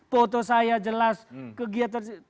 foto saya jelas kegiatan saya jelas